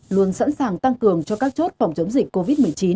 luôn sẵn sàng tăng cường cho các chốt phòng chống dịch covid một mươi chín